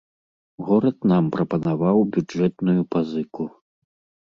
Горад нам прапанаваў бюджэтную пазыку.